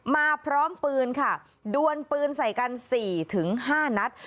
มาพร้อมปืนค่ะดวนปืนใส่กัน๔๕นัด